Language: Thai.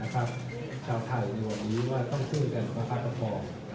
เราพักก่อนแต่ทีเฉียนว่าเราก็ต้องต้องซื้อกับประธานต่อผ่าน